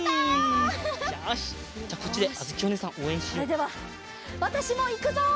それではわたしもいくぞ！